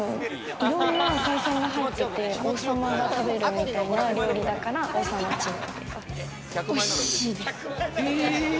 いろんな海鮮が入ってて、王様が食べるみたいな料理だから、王様チム。